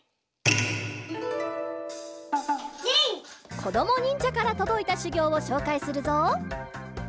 こどもにんじゃからとどいたしゅぎょうをしょうかいするぞ。